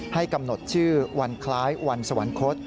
ให้กำหนดชื่อวันคล้ายวันสวรรคต